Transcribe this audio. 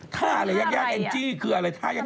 ท่าอะไรยากเอ็งจี้คืออะไรท่ายาก